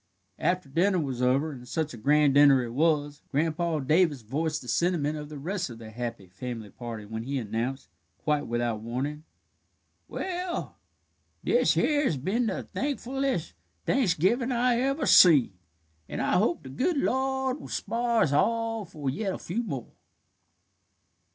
After dinner was over and such a grand dinner it was Grandpa Davis voiced the sentiment of the rest of the happy family party when he announced, quite without warning: "Well, this here has ben the thankfulles' Thanksgivin' I ever seen, and I hope the good Lord will spar' us all for yet a few more."